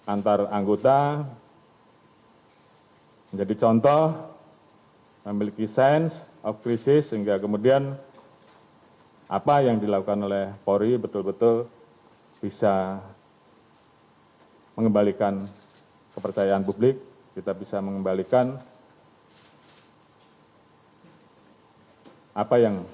antara kebijakan dan kebijakan yang harus dilakukan